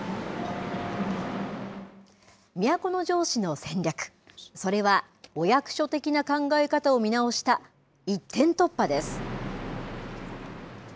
都城市の戦略、それはお役所的な考え方を見直した、一点突破です。